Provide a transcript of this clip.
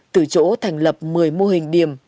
từ chỗ thành lập một mươi mô hình điểm